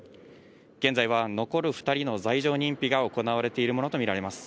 現在は残る２人の罪状認否が行われているものと見られます。